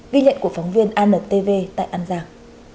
ghi nhận của phóng viên antv tại an giang